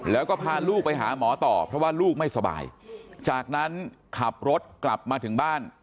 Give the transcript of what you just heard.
แล้วก็พาลูกไปหาหมอต่อเพราะว่าลูกไม่สบายจากนั้นขับรถกลับมาถึงบ้าน